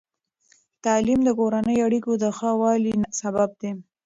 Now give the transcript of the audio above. تعلیم د کورني اړیکو د ښه والي سبب دی.